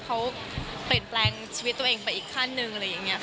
เขาเปลี่ยนแปลงชีวิตตัวเองไปอีกกั้นนึง